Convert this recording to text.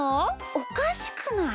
おかしくない？